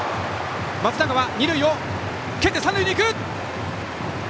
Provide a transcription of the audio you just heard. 松永は二塁を蹴って三塁に行く！